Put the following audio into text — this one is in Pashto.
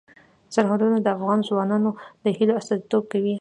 سرحدونه د افغان ځوانانو د هیلو استازیتوب کوي.